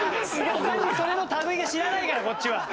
他にそれの類いは知らないからこっちは。